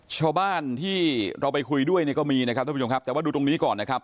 ชาวบ้านที่เราไปคุยด้วยนะก็มีนะครับแต่ว่าดูตรงนี้ก่อนนะครับ